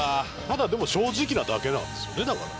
ただでも正直なだけなんですよねだから。